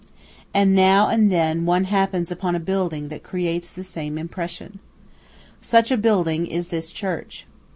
And now and then one happens upon a building that creates the same impression. Such a building is this church.